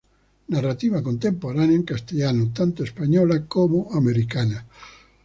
Narrativa contemporánea en castellano, tanto española como americana.